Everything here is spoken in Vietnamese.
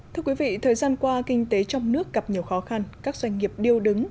thưa quý vị thời gian qua kinh tế trong nước gặp nhiều khó khăn các doanh nghiệp điêu đứng